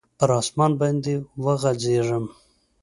پر اسمان باندي وغځیږم